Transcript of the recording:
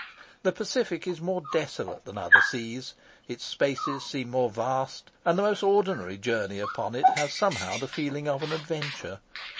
The Pacific is more desolate than other seas; its spaces seem more vast, and the most ordinary journey upon it has somehow the feeling of an adventure.